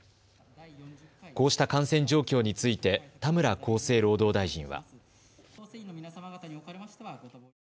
こうした感染状況について田村厚生労働大臣は。